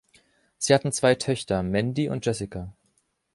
Sie hatten zwei Töchter, Mandy und Jessica.